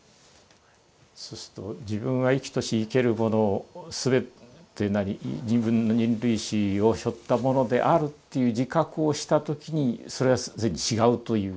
そうすると自分は生きとし生けるもの全てなり人類史をしょったものであるっていう自覚をしたときにそれは違うという。